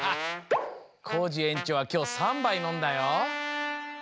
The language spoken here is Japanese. コージえんちょうはきょう３ばいのんだよ。